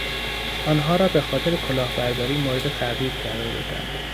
آنها را بهخاطر کلاهبرداری مورد تعقیب قرار دادند.